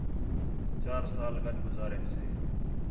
چار سال گڈ گزارین سے